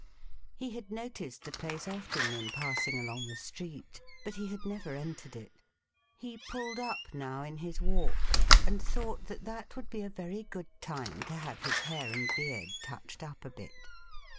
He had noticed the place often in passing along the street, but he had never entered it. He pulled up now in his walk, and thought that that would be a very good time to have his hair and beard touched up a bit.